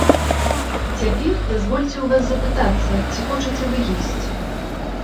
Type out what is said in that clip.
Цяпер дазвольце ў вас запытацца, ці хочаце вы есці.